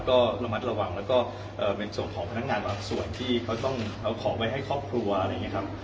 ก็ระมัดระวังแล้วก็เป็นส่วนของพนักงานบางส่วนที่เขาต้องเอาของไว้ให้ครอบครัวอะไรอย่างนี้ครับ